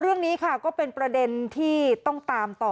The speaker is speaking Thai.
เรื่องนี้ค่ะก็เป็นประเด็นที่ต้องตามต่อ